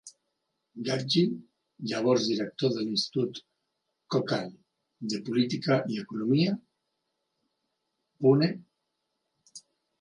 Gadgil, llavors director de l'Institut Gokhale de política i economia, Pune.